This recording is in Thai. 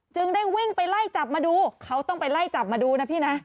ได้วิ่งไปไล่จับมาดูเขาต้องไปไล่จับมาดูนะพี่นะ